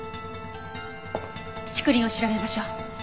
竹林を調べましょう。